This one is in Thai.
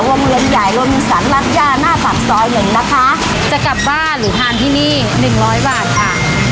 วงเวียนใหญ่โรงงานศาลรัฐยาหน้าฝากซอยหนึ่งนะคะจะกลับบ้านหรือทานที่นี่หนึ่งร้อยบาทอ่ะ